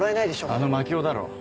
あの槙尾だろ？